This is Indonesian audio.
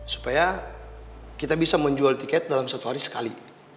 supaya kita bisa menjual tiket dalam satu hari sekali